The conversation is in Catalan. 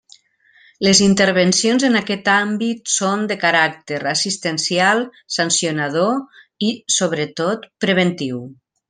Les intervencions en aquest àmbit són de caràcter: assistencial, sancionador i, sobretot, preventiu.